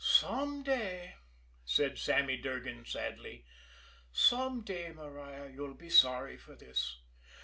"Some day," said Sammy Durgan sadly, "some day, Maria, you'll be sorry for this.